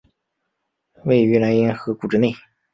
位于莱茵河谷之内。